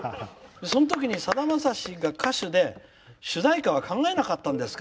そのとき、さだまさしは歌手で主題歌は考えなかったんですか？